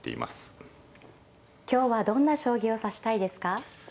今日はどんな将棋を指したいですか。